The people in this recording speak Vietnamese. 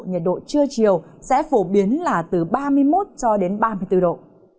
nhiệt độ trưa chiều sẽ phổ biến là từ ba mươi một ba mươi bốn độ